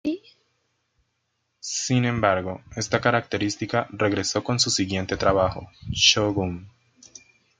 Sin embargo, esta característica regresó con su siguiente trabajo, "Shogun".